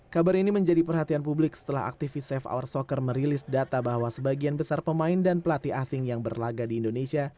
kabar ini menjadi perhatian publik setelah aktivis safe hour soccer merilis data bahwa sebagian besar pemain dan pelatih asing yang berlaga di indonesia